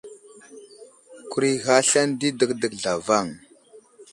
Kuray ghay aslane di dəkdək zlavaŋ.